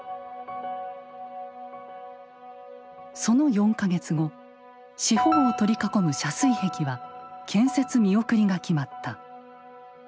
その４か月後四方を取り囲む遮水壁は建設見送りが決まった。